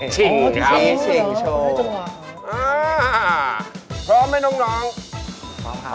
ชิงครับโอ้โฮชิงโชว์โอ้โฮจริงเหรอ